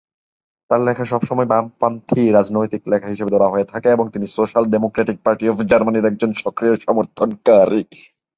তার লেখা সবসময় বামপন্থী রাজনৈতিক লেখা হিসেবে ধরা হয়ে থাকে এবং তিনি সোশ্যাল ডেমোক্রেটিক পার্টি অফ জার্মানির একজন সক্রিয় সমর্থনকারী।